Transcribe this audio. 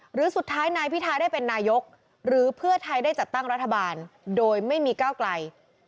หรือสุดท้ายนายพิทาได้เป็นนายกหรือเพื่อไทยได้จัดตั้งรัฐบาลโดยไม่มีก้าวไกล